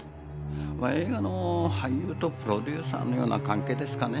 まあ映画の俳優とプロデューサーのような関係ですかね。